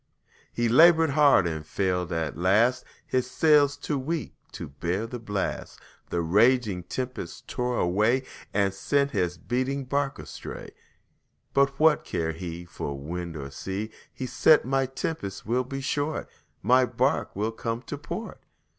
He labored hard and failed at last, His sails too weak to bear the blast, The raging tempests tore away And sent his beating bark astray. But what cared he For wind or sea! He said, "The tempest will be short, My bark will come to port."